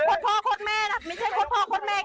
ก็ต่อพ่อคสมัยนะไม่ใช่การขสมัยแก่